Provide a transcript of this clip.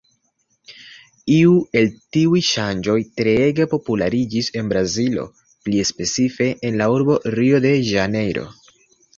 Iu el tiuj ŝanĝoj treege populariĝis en Brazilo, pli specife, en la urbo Rio-de-Ĵanejro.